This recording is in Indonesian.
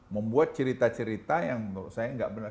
membuat cerita cerita yang menurut saya nggak benar